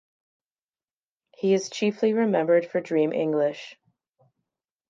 He is chiefly remembered for Dream English.